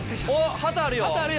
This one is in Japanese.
旗あるよ